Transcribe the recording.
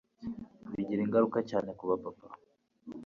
Bigira ingaruka cyane kubapapa